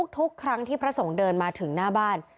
ทุกครั้งที่พระสงฆ์เดินมาถึงหน้าบ้าน